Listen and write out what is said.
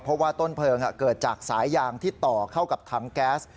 เพราะว่าต้นเพลิงเกิดจากสายยางที่ต่อเข้ากับถังแก๊ส